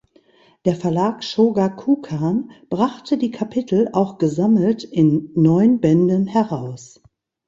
Der Verlag Shogakukan brachte die Kapitel auch gesammelt in neun Bänden heraus.